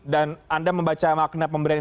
dan anda membaca makna pemberian ini